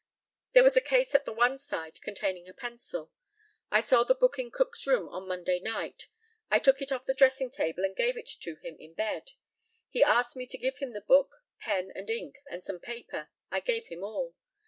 There was a case at the one side containing a pencil. I saw the book in Cook's room on Monday night. I took it off the dressing table and gave it to him in bed. He asked me to give him the book, pen, and ink, and some paper. I gave him all.